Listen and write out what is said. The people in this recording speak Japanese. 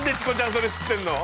それ知ってんの？